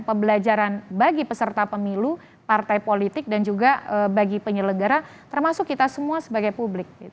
pembelajaran bagi peserta pemilu partai politik dan juga bagi penyelenggara termasuk kita semua sebagai publik